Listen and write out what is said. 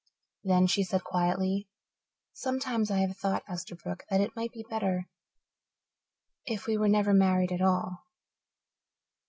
Then she said quietly, "Sometimes I have thought, Esterbrook, that it might be better if we were never married at all."